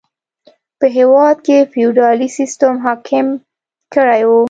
په هېواد کې فیوډالي سیستم حاکم کړی و.